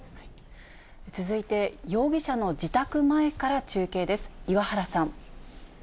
続いて、容疑者の自宅前から中継です。